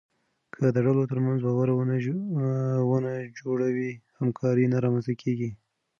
که د ډلو ترمنځ باور ونه جوړوې، همکاري نه رامنځته کېږي.